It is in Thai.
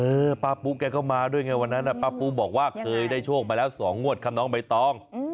ป้าปุ๊กแกก็มาด้วยไงวันนั้นป้าปุ๊บอกว่าเคยได้โชคมาแล้ว๒งวดครับน้องใบตอง